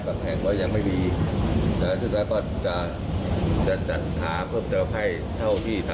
ก็เลยทำให้นายกก็ย้ำนะคะบอกว่าการระบาดในระรอกเมษาเนี่ย